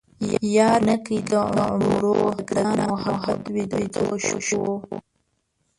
یار مې نه کئ د عمرو ـ د ګران محبت وئ د څو شپو